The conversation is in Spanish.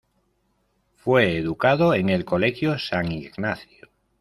Fue educado en el Colegio San Ignacio.